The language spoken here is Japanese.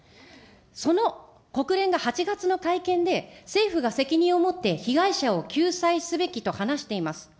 その国連が８月の会見で、政府が責任を持って被害者を救済すべきと話しています。